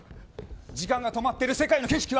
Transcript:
時間が止まっている世界の景色は。